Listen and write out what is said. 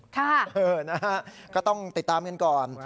ค่ะเออนะฮะก็ต้องติดตามกันก่อน